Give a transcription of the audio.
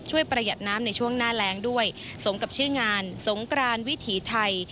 ประหยัดน้ำในช่วงหน้าแรงด้วยสมกับชื่องานสงกรานวิถีไทย